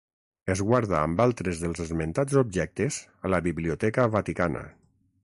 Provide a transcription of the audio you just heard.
Es guarda amb altres dels esmentats objectes a la Biblioteca Vaticana.